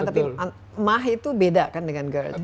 tapi mah itu beda kan dengan gerd